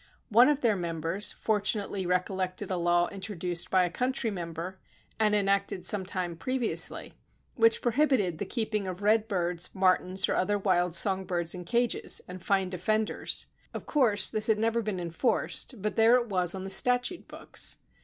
One of their members fortunately recollect ed a law introduced by a country member, and enacted some time previously, which prohibited the keeping of red birds, martins or other wild song birds in cages, and fined offenders. Of course this had never been en forced, but there it was on the statute books.